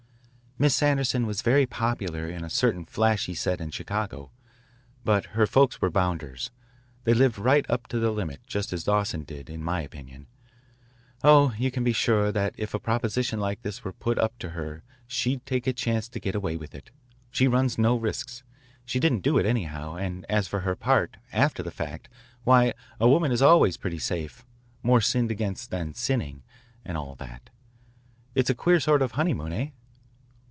"Miss Sanderson was very popular in a certain rather flashy set in Chicago. But her folks were bounders. They lived right up to the limit, just as Dawson did, in my opinion. Oh, you can be sure that if a proposition like this were put up to her she'd take a chance to get away with it. She runs no risks. She didn't do it anyhow, and as for her part, after the fact, why, a woman is always pretty safe more sinned against than sinning, and all that. It's a queer sort of honeymoon, hey?"